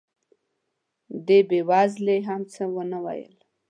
دې بې وزلې هم څه ونه ویل.